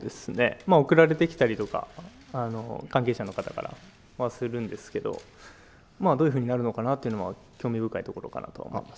まあ送られてきたりとか、関係者の方から、するんですけれども、どういうふうになるのかなというのは興味深いところかなと思います。